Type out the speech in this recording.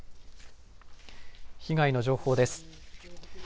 被害の情報です。